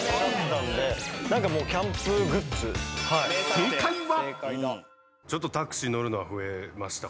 ［正解は？］